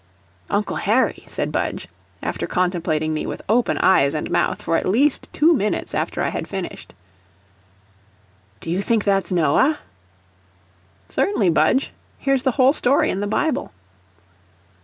"Uncle Harry," said Budge, after contemplating me with open eyes and mouth for at least two minutes after I had finished, "do you think that's Noah?" "Certainly, Budge; here's the whole story in the Bible."